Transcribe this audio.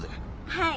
はい。